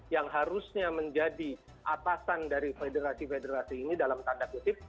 yang harusnya menjadi atasan dari federasi federasi ini dalam tanda kutip